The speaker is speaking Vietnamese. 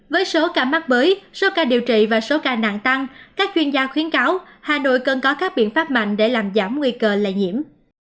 với số ca mắc mới số ca điều trị và số ca nặng tăng các chuyên gia khuyến cáo hà nội cần có các biện pháp mạnh để làm giảm nguy cơ lây nhiễm